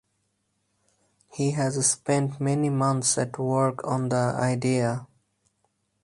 He has spent many months at work on the idea.